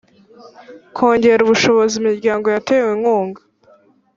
Kongera ubushobozi imiryango yatewe inkunga